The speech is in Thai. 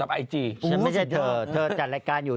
ไม่ใช่เธอเธอจัดรายการสมมุติ